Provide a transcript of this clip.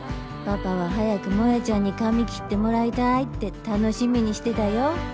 パパは早く萌ちゃんに髪を切ってもらいたいって楽しみにしてたよ」。